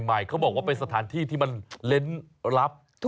ใหม่เขาบอกว่าเป็นสถานที่ที่มันเล้นลับ